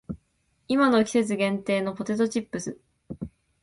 今の季節限定のポテトチップス